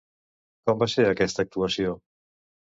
Com va ser aquesta actuació?